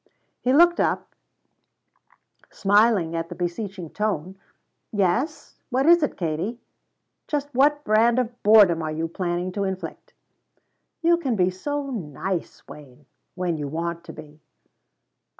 He looked up, smiling at the beseeching tone. "Yes? What is it, Katie? Just what brand of boredom are you planning to inflict?" "You can be so nice, Wayne when you want to be."